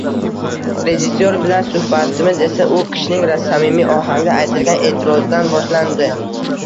Rejissyor bilan suhbatimiz esa u kishining samimiy ohangda aytilgan e’tirozidan boshlandi: